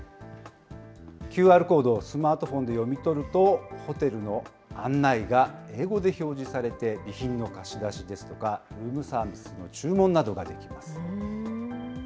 ＱＲコードをスマートフォンで読み取ると、ホテルの案内が英語で表示されて、備品の貸し出しですとか、ルームサービスの注文などができます。